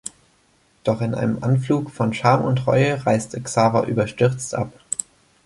Doch in einem Anflug von Scham und Reue reiste Xaver überstürzt ab.